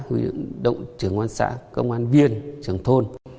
huyện động trưởng quan xã công an viên trưởng thôn